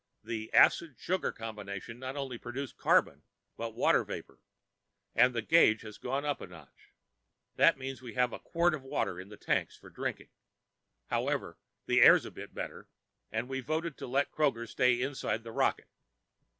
The acid sugar combination not only produces carbon but water vapor, and the gauge has gone up a notch. That means that we have a quart of water in the tanks for drinking. However, the air's a bit better, and we voted to let Kroger stay inside the rocket.